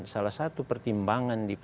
salah satu pertimbangan di